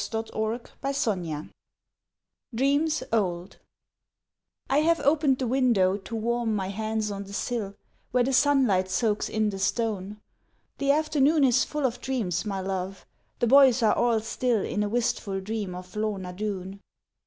DREAMS OLD AND NASCENT OLD I HAVE opened the window to warm my hands on the sill Where the sunlight soaks in the stone: the afternoon Is full of dreams, my love, the boys are all still In a wistful dream of Lorna Doone.